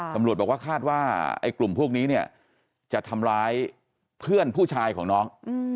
ตำรวจบอกว่าคาดว่าไอ้กลุ่มพวกนี้เนี่ยจะทำร้ายเพื่อนผู้ชายของน้อง